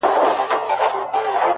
ستا دهر توري په لوستلو سره،